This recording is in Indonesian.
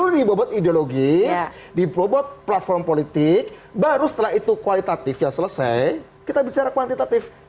kalau dibobot ideologis dibobot platform politik baru setelah itu kualitatifnya selesai kita bicara kuantitatif